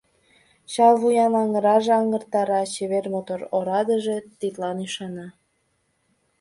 Чал вуян аҥыраже аҥыртара, чевер-мотор орадыже тидлан ӱшана.